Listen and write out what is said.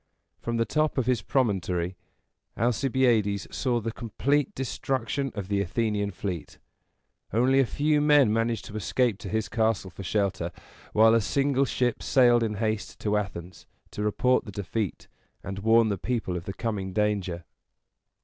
From the top of his promontory, Alcibiades saw the complete destruction of the Athenian fleet. Only a few men managed to escape to his castle for shelter; while a single ship sailed in haste to Athens, to report the defeat, and warn the people of the coming danger.